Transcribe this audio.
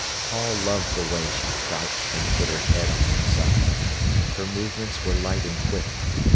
Paul loved the way she crouched and put her head on one side. Her movements were light and quick.